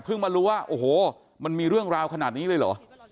มารู้ว่าโอ้โหมันมีเรื่องราวขนาดนี้เลยเหรอ